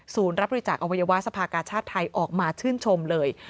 รับบริจาคอวัยวะสภากาชาติไทยออกมาชื่นชมเลย